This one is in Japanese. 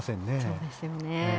そうですよね。